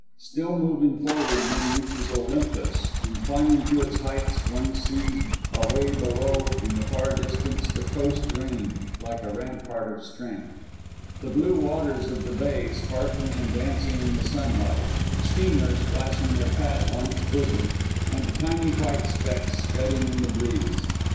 Still moving forward one reaches Olympus, and climbing to its heights, one sees away below, in the far distance, the Coast Range like a rampart of strength; the blue waters of the bay, sparkling and dancing in the sunlight steamers flashing their path on its bosom; and tiny white specks scudding in the breeze.